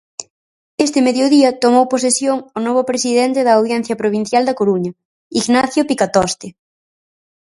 Este mediodía tomou posesión o novo presidente da Audiencia Provincial da Coruña, Ignacio Picatoste.